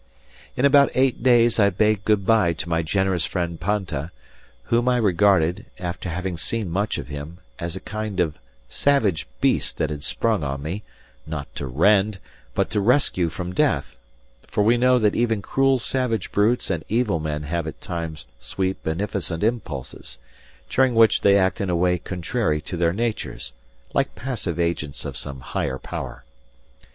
In about eight days I bade good bye to my generous friend Panta, whom I regarded, after having seen much of him, as a kind of savage beast that had sprung on me, not to rend, but to rescue from death; for we know that even cruel savage brutes and evil men have at times sweet, beneficent impulses, during which they act in a way contrary to their natures, like passive agents of some higher power.